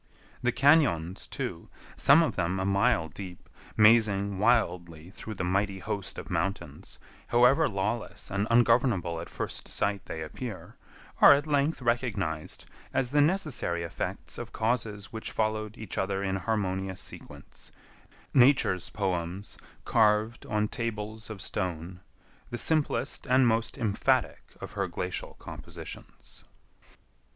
The cañons, too, some of them a mile deep, mazing wildly through the mighty host of mountains, however lawless and ungovernable at first sight they appear, are at length recognized as the necessary effects of causes which followed each other in harmonious sequence—Nature's poems carved on tables of stone—the simplest and most emphatic of her glacial compositions.